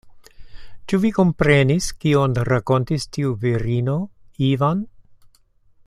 Ĉu vi komprenis, kion rakontis tiu virino, Ivan?